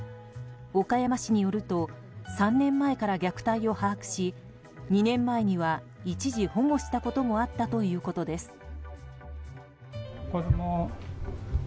岡山市によると３年前から虐待を把握し２年前には一時保護したこともあったということです。